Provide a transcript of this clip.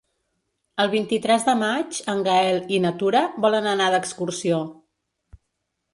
El vint-i-tres de maig en Gaël i na Tura volen anar d'excursió.